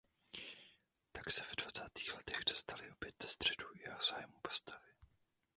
Tak se ve dvacátých letech dostaly opět do středu jeho zájmu postavy.